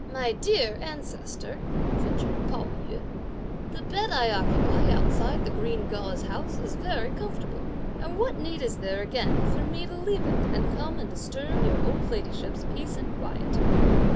"My dear ancestor," ventured Pao yü; "the bed I occupy outside the green gauze house is very comfortable; and what need is there again for me to leave it and come and disturb your old ladyship's peace and quiet?"